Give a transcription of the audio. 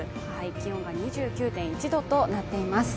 気温が２９．１度となっています。